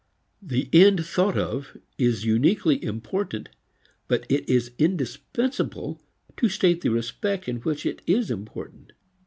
The end thought of is uniquely important, but it is indispensable to state the respect in which it is important.